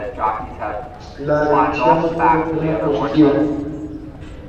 La decisión no pudo ser más positiva.